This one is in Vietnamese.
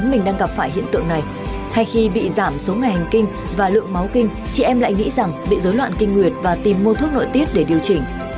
trong những ngày hành kinh và lượng máu kinh chị em lại nghĩ rằng bị dối loạn kinh nguyệt và tìm mua thuốc nội tiết để điều trình